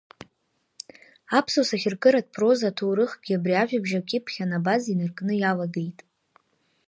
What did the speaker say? Аԥсуа сахьаркыратә проза аҭоурыхгьы абри ажәабжь акьыԥхь анабаз инаркны иалагеит.